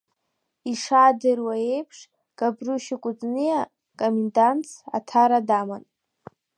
Ишаадыруа еиԥш, Габрушьа Кәыҵниа комендантс Аҭара даман.